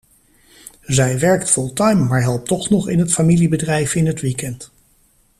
Zij werkt fulltime, maar helpt toch nog in het familiebedrijf in het weekend.